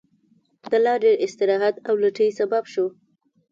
د لا ډېر استراحت او لټۍ سبب شو.